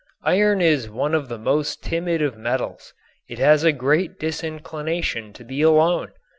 Iron is one of the most timid of metals. It has a great disinclination to be alone.